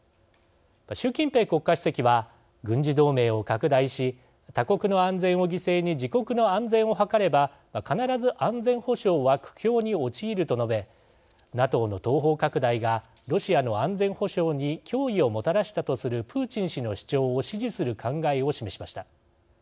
習近平国家主席は軍事同盟を拡大し他国の安全を犠牲に自国の安全を図れば必ず安全保障は苦境に陥ると述べ、ＮＡＴＯの東方拡大がロシアの安全保障に脅威をもたらしたとするプーチン氏の主張を支持する考えを示しました。